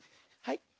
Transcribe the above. はい。